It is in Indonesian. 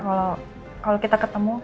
kalau kita ketemu